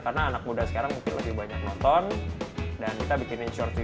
dan benar akan kita bikin shorts ke majur intoilde aslearning ke sini caliber